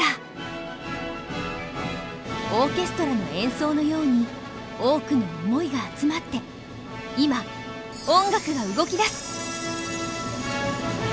オーケストラの演奏のように多くの想いが集まって今音楽が動きだす！